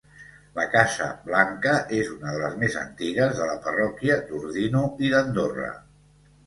La casa Blanca és una de les més antigues de la parròquia d’Ordino i d’Andorra.